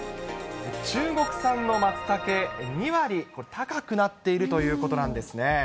中国産のマツタケ、２割高くなっているということなんですね。